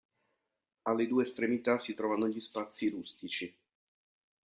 Alle due estremità si trovano gli spazi rustici.